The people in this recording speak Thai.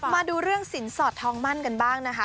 มาดูเรื่องสินสอดทองมั่นกันบ้างนะคะ